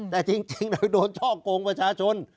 แต่จริงเราโดนช่อกงประชาชน